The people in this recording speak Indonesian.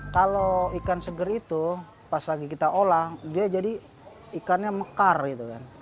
kalau ikan seger itu pas lagi kita olah dia jadi ikannya mekar gitu kan